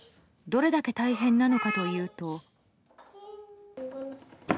どれだけ大変なのかというと。